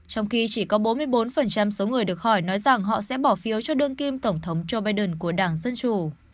trong khi chỉ có bốn mươi bốn số người được hỏi nói rằng họ sẽ bỏ phiếu cho đương kim tổng thống joe biden của đảng dân chủ